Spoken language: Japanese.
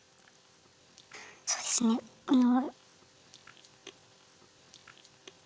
そうですねあの。